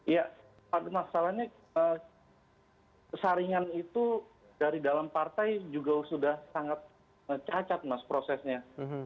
ya masalahnya saringan itu dari dalam partai juga sudah sangat cacat mas prosesnya